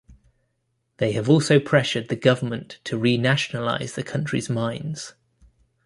They have also pressured the government to re-nationalize the country's mines.